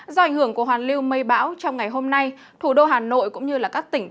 do ảnh hưởng của hoàn lưu mây bão trong ngày hôm nay thủ đô hà nội cũng như các tỉnh